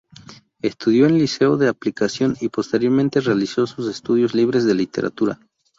Estudió en el Liceo de Aplicación y posteriormente realizó estudios libres de Literatura.